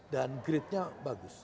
dan gritnya bagus